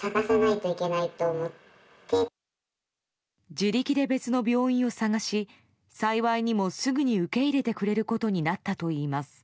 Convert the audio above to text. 自力で別の病院を探し幸いにも、すぐに受け入れてくれることになったといいます。